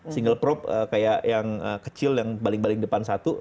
single prop kayak yang kecil yang baling baling depan satu